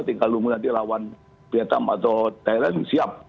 tinggal nunggu nanti lawan vietnam atau thailand siap